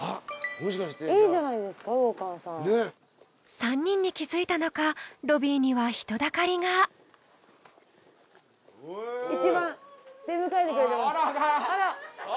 ３人に気付いたのかロビーには人だかりが一番出迎えてくれてる。